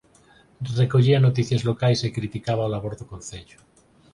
Recollía noticias locais e criticaba o labor do Concello.